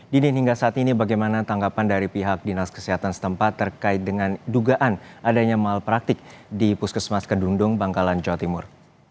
didin hingga saat ini bagaimana tanggapan dari pihak dinas kesehatan setempat terkait dengan dugaan adanya malpraktik di puskesmas kedundung bangkalan jawa timur